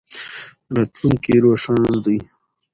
راتلونکی روښانه دی.